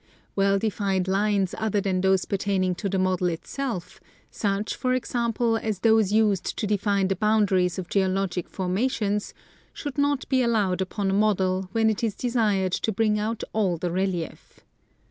Well defined lines other than those pertaining to the model itself, such, for example, as those used to define the boundaries of geologic formations, should not Topographic Models. 267 be allowed upon a model when it is desired to bring out all the relief.